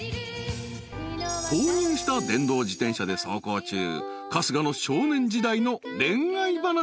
［購入した電動自転車で走行中春日の］